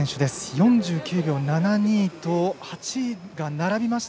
４９秒７２と８位が並びました。